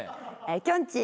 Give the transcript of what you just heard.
きょんちぃ。